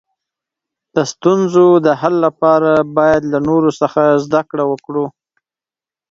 د ستونزو د حل لپاره باید له نورو څخه زده کړه وکړو.